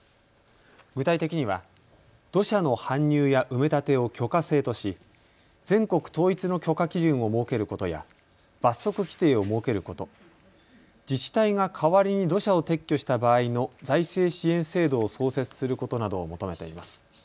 具体的には、土砂の搬入や埋め立てを許可制とし全国統一の許可基準を設けることや罰則規定を設けること、自治体が代わりに土砂を撤去した場合の財政支援制度を創設することなどを求めています。